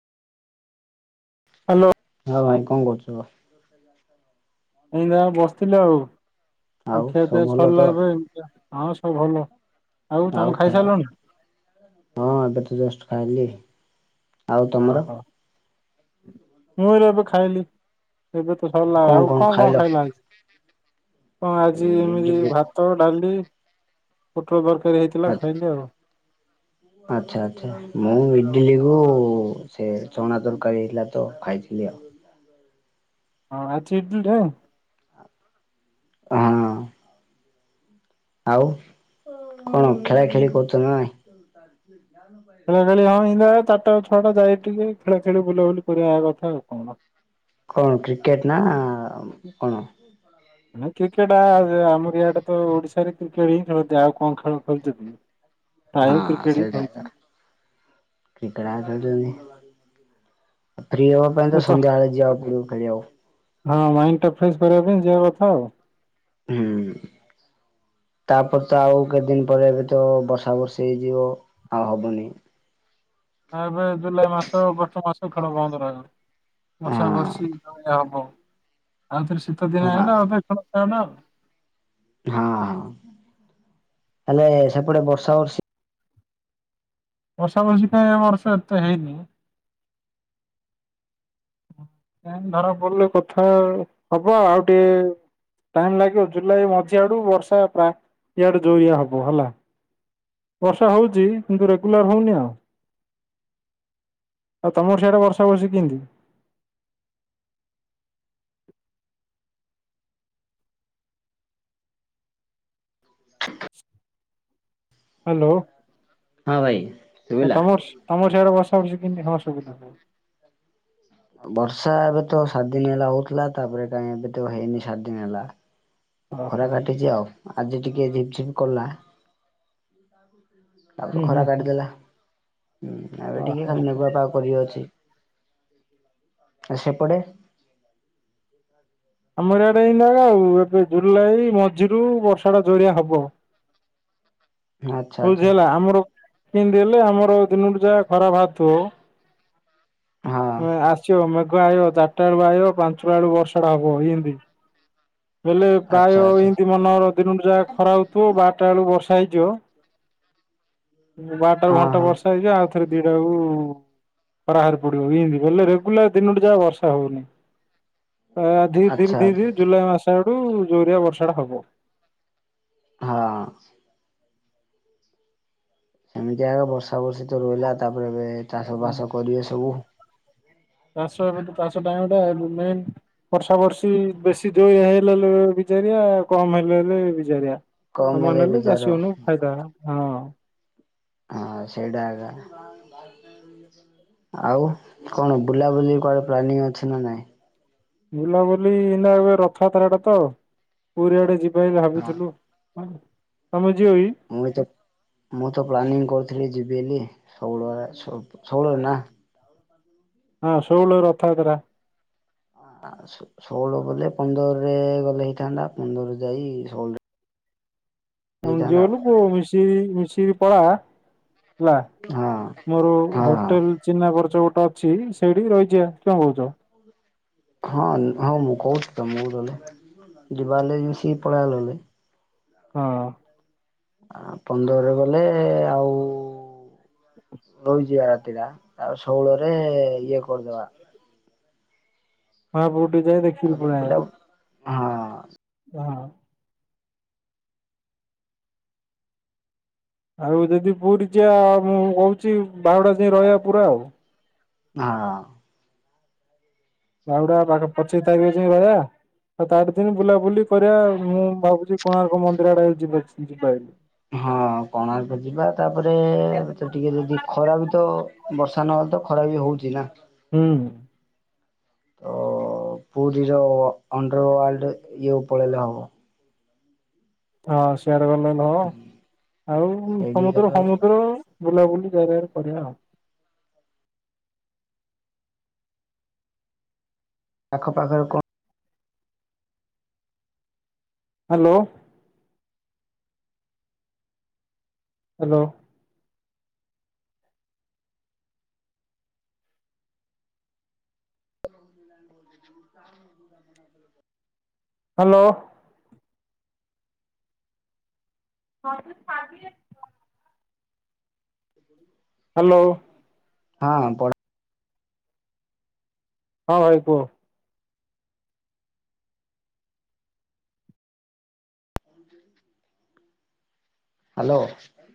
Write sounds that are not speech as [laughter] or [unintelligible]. Hello. ହଉ ଭାଇ କଣ କରୁଛୁ? ଏଇ ବା ବସିଥିଲି ଆଉ ଆଉ ଖିଆ ସବୁ ପିଆ ଭଲ ତ? ସରିଲା ଏବେ ଏମତିୟା। ହଁ ସବୁ ଭଲ। ଆଉ ତମେ ଖାଇବା? ଖାଇସାରିଲଣି ହଁ ଏବେ ତ ଜଷ୍ଟ ଖାଇଲି। ଆଉ ତମର? ଓହୋ ମୁଁ ଏଇ ଏବେ ଖାଇଲି ଏବେ ତ ସରିଲା, ଆଉ କଣ କଣ ଖାଇଲ ଆଜି? କଣ ଆଜି ଏମିତି ଇଡିଲି ଭାତ, ଡାଲି, ପୋଟଳ ତରକାରୀ? ହେଇଥିଲା ଖାଇଲି ଆଉ ଆଚ୍ଛା ଆଚ୍ଛା ଆଚ୍ଛା ମୁଁ ଇଡିଲ କୁ ଓ ସେ ଚଣା ତରକାରୀ ହେଇଥିଲା ତ ଖାଇଥିଲି ଆଉ। ହଁ ଅଛି। [unintelligible] ହଁ ଆଉ କଣ ଖେଳା ଖେଳି କରୁଛ ନା ନାଇ? ଖେଳା ଖେଳି ହଁ ଏମିତି ଏକା ଚାରିଟାରୁ ଛଅଟା ଯାଇ ଟିକେ ଖେଳ ଖେଳି ବୁଲାବୁଲି କରିବା କଥା ଆଉ କଣ? କଣ କ୍ରିକେଟ୍ ନା କଣ? ନାଇ କ୍ରିକେଟ ଆ ଆମର ଇଆଡେ ତ ଓଡିଶାରେ କ୍ରିକେଟ ହିଁ ଖେଳନ୍ତି ଆଉ କଣ ଖେଳ ଖେଳୁଛନ୍ତି କି। ହଁ ସେଇଟା ଏକା କ୍ରିକେଟ ଏକା ଖେଳୁଛନ୍ତି। ଫ୍ରି ହେବା ପାଇଁ ତ ସନ୍ଧ୍ୟାବେଳେ ଯିବାକୁ ପଡ଼ି ଖେଳିବାକୁ। ହଁ ମାଇଣ୍ଡଟା ଫ୍ରେଶ କରିବା ପାଇଁ ଯିବା କଥା ଆଉ। ହୁଁ। ତାପରେ ତ ଆଉ କେତେ ଦିନ ପରେ ଏବେ ତ ବର୍ଷା ବର୍ଷି ହେଇଯିବ ଆଉ ହବନି। ହଁ ଏବେ ଜୁଲାଇ ମାସ ଅଗଷ୍ଟ ମାସ ଖେଳ ବନ୍ଦ ରହିବ। ହଁ ବର୍ଷା ବର୍ଷି ଜୋରିୟା ହବ। ଆଉ ଥରେ ଶୀତ ହଁ ଦିନ ଆଇଲେ ଆଉ ଥରେ ଖେଳ ଷ୍ଟାର୍ଟ ଆଉ। ହଁ ହଁ, ହେଲେ ସେପଟେ ବର୍ଷା ବର୍ଷି? ବର୍ଷା ବର୍ଷି ତ ଏ ବର୍ଷ ଏତେ ହେଇନି। କାଇଁ ଧରା ପଡ଼ିଲେ କଥା ହବା ଆଉ ଟିକେ ଟାଇମ ଲାଗିବ ଜୁଲାଇ ମଝି ଆଡୁ ବର୍ଷା ପ୍ରା ଇଆଡୁ ଜୋରିଆ ହବ ହେଲା। ବର୍ଷା ହଉଛି କିନ୍ତୁ ରେଗୁଲାର ହଉନି ଆଉ। ଆଉ ତମର ସେଆଡ଼େ ବର୍ଷା ବର୍ଷି କେମତି? ହଁ ଭାଇ ତମସ ଶୁଭିଲା। ତମର ତମର ସେଆଡ଼େ ବର୍ଷା ବର୍ଷି କେମିତି? ହଁ ଶୁଭିଲା। ବର୍ଷା ଏବେ ତ ସାତ ଦିନ ହେଲା ହଉଥିଲା ତାପରେ କାଇଁ ଏବେ ତ ହେଇନି ସାତ ଦିନ ହେଲା। ଖରା ଓହୋ କାଟିଛି ଆଉ ଆଜି ଟିକେ ଝିପ ଝିପ କଲା ତାପରେ ହୁଁ ହୁଁ ଖରା କାଟିଦେଲା ଉଁ ଏବେ ଟିକେ ଖାଲି ଓହୋ ମେଘୁଆ ପାଗ କରିକି ଅଛି। ଆ ସେପଟେ? ଆମର ଇଏଡେ ଏଇନାକା ଏବେ ଜୁଲାଇ ମଝିରୁ ବର୍ଷା ଟା ଜୋରିଆ ହବ। ହ ହଉ ଝିଲା ହେଲା ଆମର ପିନ୍ଧି ହେଲେ ଆମର ଦିନୁ ଯାହା ଖରା ବାହାରୁ ଥିବା। ହଁ ଆସିବ ମେଘ ଆଇବ ଚାରିଟା ବେଳୁ ଆଇବ ପାଞ୍ଚ ବେଳୁ ବର୍ଷାଟା ହବ ଏନତି। ହେଲେ ପ୍ରାୟ ଆଚ୍ଛା ଆଚ୍ଛା ଏମତି ମନର ଦିନ ଯା ଖରା ହଉଥିବ ବାରଟା ବେଳକୁ ବର୍ଷା ହେଇଯିବ। ବାରଟାରୁ ହଁ ଘଣ୍ଟେ ହଁ ବର୍ଷା ହେଇଯିବ ଆଉ ଥରେ ଦିଟାକୁ ଖରାବାହାରି ପଡିବ ଏମତି ବୋଲେ ରେଗୁଲାର ଦିନଠୁ ଯାକ ବର୍ଷା ହଉନି। ଆ ଧି ଧି ଆଚ୍ଛା ଧି ଆଚ୍ଛା ଧିର ଜୁଲାଇ ମାସ ଆଡୁ ଜୋରିଆ ବର୍ଷା ଟା ହବ। ହଁ। ସେମିତି ଆଗ ବର୍ଷା ବର୍ଷିତ ତ ରହିଲା ତାପରେ ଏବେ ଚାଷ ବାସ କରିବେ ସବୁ। ଚାଷ ଏବେତ ଚାଷ ଟାଇମ ଟା ମେନ ବର୍ଷା ବର୍ଷୀ ବେଶୀ ଜୋଇୟା ହେଲେ [unintelligible] ବିଜାରିଆ କମ ହେଲେ ହେଲେ ବିଜାରିଆ କମ୍ ସମାନ ହେଲେ ବିଜାର ଚାଷୀ ମାନଙ୍କୁ ଫାଇଦା। ହଁ। ହଁ ସେଇଟ ଆଗ ଆଉ କଣ ବୁଲାବୁଲି କୁଆଡେ ପ୍ଲାନିଂ ଅଛି ନା ନାଇଁ? ବୁଲାବୁଲିଇନା ଏ ରଥଯାତ୍ରା ଟା ତ ପୁରୀ ଆଡେ ଯିବା ହେ ହଁ। ଭାବିଥିଲୁ। ତମେ ଯିବ କି ମୁଁ ତ ମୁଁ ତ ପ୍ଲାନିଂ କରିଥିଲି ଯି ବିଲ ସଉଳଆ ସଉଳରେ ନା। ହଁ ଷୋଲରରେ ରଥଯାତ୍ରା। ଆ ଷୋ-ଷୋହଳ ବୋଲେ ପନ୍ଦରରେ ଗଲେ ହେଇଥାନ୍ତା ପନ୍ଦର ଯାଇ ଷୋହଳରେ ଆମ ହେଇଥାନ୍ତା ଜଲୁ ମିଶି ମିଶିକି ପଳା। ହେଲା ହଁ ମୋର ହଁ ହଁ। ହୋଟେଲ ଚିହ୍ନା କରଛ ଗୋଟେ ଅଛି ସେଇଠି ରହିଯିବା କଣ କହୁଛ? ହଁ ହଁ ମୁଁ କହୁଛି ତ ମୁଁ ଗଲେ ଯିବା ଗଲେ ମିଶିକି ପଲେଇବା ନହେଲେ। ହଁ। ପନ୍ଦରରେ ଗଲେ ଆଉ ରହିଯିବା ରାତିଟା ତାପରେ ଷୋହଳରେ ଇଏ କରିଦବା। ହଁ ଭୋରୁ ଉଠି ଯାଇ ଦେଖିକି କରିକି ପଳେଅବା। ପିଲା ହଁ। ହଁ। ଆଉ ଯଦି ପୁରୀ ଯିବା ମୁଁ କହୁଛି ବାହୁଡା ଯାଏ ରହିବା ପୁରା ଆଉ। ହଁ। ବାଉଡା ବଉଡ଼ା ପଚିଶ ତାରିଖ ଯାଏ ରହିବା। ସାତ ଆଠ ଦିନ ବୁଲାବୁଲି କରିବା ମୁଁ ଭାବୁଛି କୋଣାର୍କ ମନ୍ଦିର ଆଡେ ଯିବା -ଯିବା ହେଲେ। ହଁ କୋଣାର୍କ ଯିବା ତାପରେ ସେଠି ଟିକେ ଯଦି ଖରା ବି ତ ବର୍ଷା ନହ ତ ଖରା ବି ହଉଛି ନା। ହୁଁ। ତ ପୁରୀର ଅଣ୍ଡରୱାଲଡ୍ ଇଏ ପଳେଇଲେ ହବ। ହଁ ସେଆଡେ ଗଲେ ନ ହବ ଆଉ ସେଇଠିକି ସମୁଦ୍ର ଗଲେ ଫମୁଦ୍ର ବୁଲାବୁଲି ଚାରିଆଡେ କରିବା। ଆଖ ପାାଖର କଁ ହାଲୋ? ହାଲୋ? ହାଲୋ? ହଁ ସେ ଛାଡଦେଇ ଆସି ଏ ପଡିବ ହାଲୋ? ହଁ ପଢ ହଁ ଭାଇ କୁହ। ହାଲୋ?